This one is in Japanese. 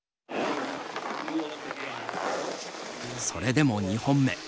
それでも２本目。